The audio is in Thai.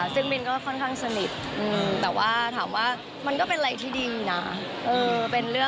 ซึ่งบินก็ค่อนข้างสนิทแต่ว่าถามว่ามันก็เป็นอะไรที่ดีนะ